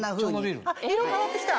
あっ色変わってきた！